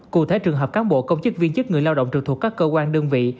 cụ thể trường hợp cán bộ công chức viên chức người lao động trực thuộc các cơ quan đơn vị